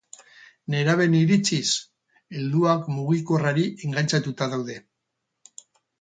Nerabeen iritziz, helduak mugikorrari engantxatuta daude